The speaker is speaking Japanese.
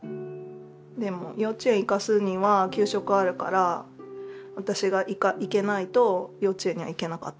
でも幼稚園行かせるには給食があるから私が行けないと幼稚園には行けなかったから。